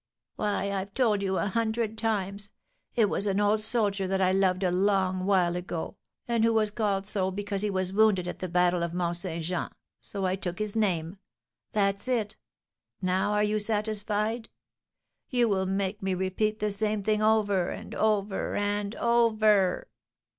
"Why, I've told you a hundred times. It was an old soldier that I loved a long while ago, and who was called so because he was wounded at the battle of Mont Saint Jean; so I took his name. That's it; now are you satisfied? You will make me repeat the same thing over, and over, and over!"